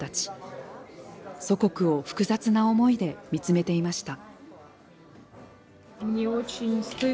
祖国を複雑な思いで見つめていました。